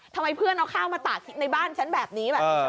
ทำไมเพื่อนเอาข้าวมาตากในบ้านฉันแบบนี้แบบนี้